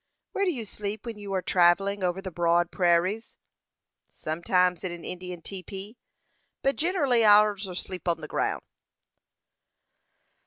"Where do you sleep when you are travelling over the broad prairies?" "Sometimes in an Indian tepee, but generally allers on the ground."